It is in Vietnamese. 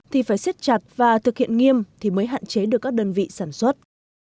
thì phải xếp chặt và thực hiện nghiêm thì mới hạn chế được các đơn vị sản xuất